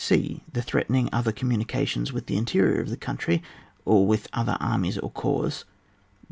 \c ) The threatening other communi cations with the interior of the country, or with other armies or corps.